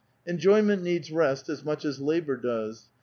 Knjoymeut needs rest as much as labor does.